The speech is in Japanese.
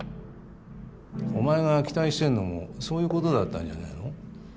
お前が期待してんのもそういう事だったんじゃねえの？